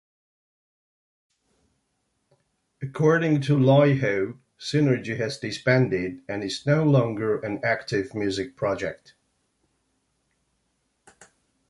According to Laiho, Sinergy has disbanded and is no longer an active music project.